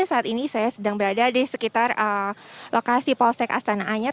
saat ini saya sedang berada di sekitar lokasi polsek astana anyar